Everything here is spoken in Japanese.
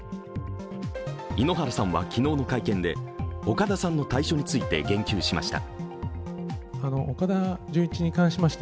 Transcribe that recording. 井ノ原さんは昨日の会見で、岡田さんの退所について言及しました。